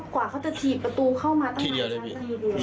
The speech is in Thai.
เข้ามาไม่ตกใจเลยเนี่ย